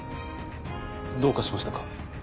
どうかしましたか？